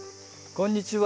こんにちは。